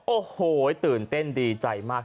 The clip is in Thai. โอ้โหตื่นเต้นดีใจมาก